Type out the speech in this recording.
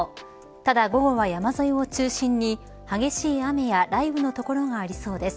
ただ午後は山沿いを中心に激しい雨や雷雨の所がありそうです。